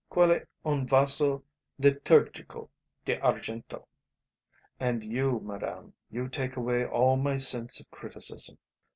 'Quale un vaso liturgico d'argento.' And you, madame, you take away all my sense of criticism.